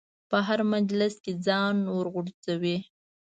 په هر مجلس ځان ورغورځوي.